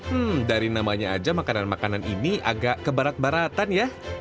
hmm dari namanya aja makanan makanan ini agak ke baratan ya